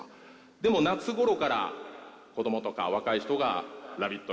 でも、夏ごろから子供とか若い人が「ラヴィット！」